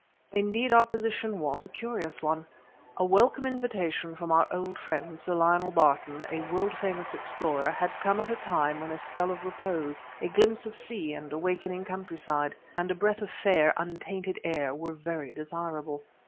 Indeed, our position was a curious one. A welcome invitation from our old friend, Sir Lionel Barton, the world famous explorer, had come at a time when a spell of repose, a glimpse of sea and awakening countryside, and a breath of fair, untainted air were very desirable.